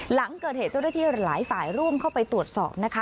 หลังเกิดเหตุเจ้าหน้าที่หลายฝ่ายร่วมเข้าไปตรวจสอบนะคะ